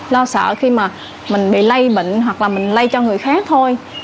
lo sợ khi mà mình bị lây bệnh hoặc là mình lây cho người khác thôi